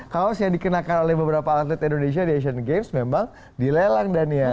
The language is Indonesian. kaos yang dikenakan oleh beberapa atlet indonesia di asian games memang dilelang dania